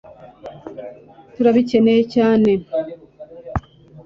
turabikeneye cyane